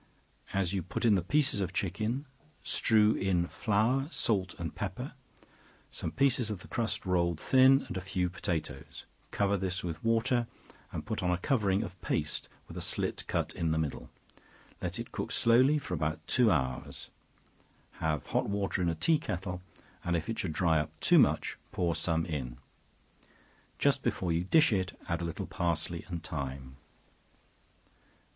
As you put in the pieces of chicken, strew in flour, salt, and pepper, some, pieces of the crust rolled thin, and a few potatoes; cover this with water, and put on a covering of paste, with a slit cut in the middle; let it cook slowly for about two hours; have hot water in a tea kettle, and if it should dry up too much, pour some in; just before you dish it, add a little parsley and thyme.